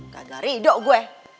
gagah ridok gue